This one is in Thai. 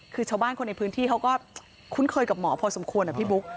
คือชาวบ้านคนในพื้นที่เขาก็คุ้นเคยกับหมอพอสมควรนะพี่บุ๊ค